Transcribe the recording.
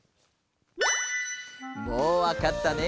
もうわかったね？